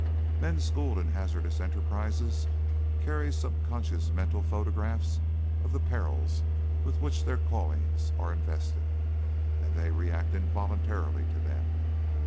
Men schooled in hazardous enterprises carry subconscious mental photographs of the perils with which their callings are invested and they react involuntarily to them.